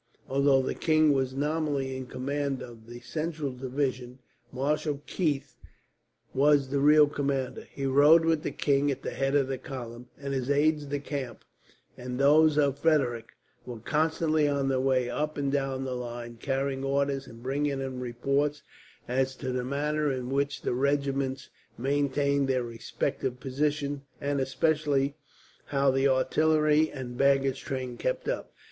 Although the king was nominally in command of the central division, Marshal Keith was the real commander. He rode with the king at the head of the column, and his aides de camp, and those of Frederick, were constantly on their way up and down the line, carrying orders and bringing in reports as to the manner in which the regiments maintained their respective positions, and especially how the artillery and baggage train kept up.